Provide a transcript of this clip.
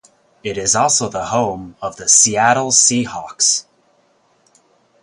It is also the home of the Seattle Seahawks.